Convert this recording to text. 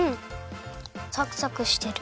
サクサクしてる。